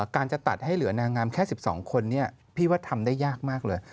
การจะตัดให้เหลือนางงามแค่๑๒คนพี่ว่าทำได้ยากมากเลย